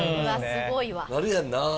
すごいわなるやんなぁ